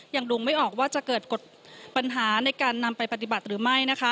ยังดูไม่ออกว่าจะเกิดปัญหาในการนำไปปฏิบัติหรือไม่นะคะ